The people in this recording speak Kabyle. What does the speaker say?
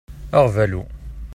Aɣbalu.